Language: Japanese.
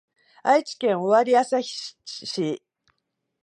愛知県尾張旭市